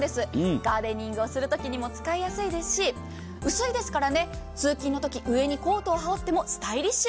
ガーデニングをするときにも使いやすいですし薄いですから通勤のとき上にコートを羽織ってもスタイリッシュ。